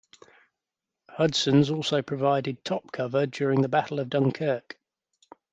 Hudsons also provided top cover during the Battle of Dunkirk.